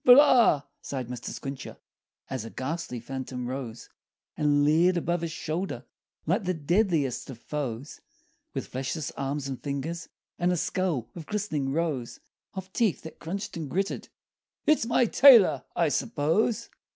"But ah!" sighed Mr. Squincher, As a ghastly phantom 'rose And leered above his shoulder Like the deadliest of foes, With fleshless arms and fingers, And a skull, with glistening rows Of teeth that crunched and gritted, "It's my tailor, I suppose!"